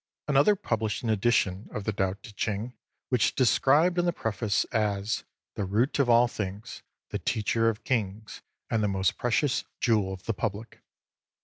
Another published an edition of the Tao Ti Ching, which is described in the preface as " the root of all things, the teacher of kings, and the most precious jewel of the public."